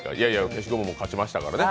消しゴムも勝ちましたからね。